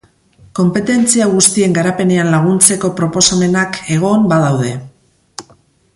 Konpetentzia guztien garapenean laguntzeko proposamenak egon badaude.